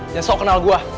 jangan sok kenal gue